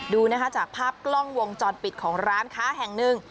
ดูนะคะจากภาพกล้องวงจรปิดของร้านค้าแห่งหนึ่ง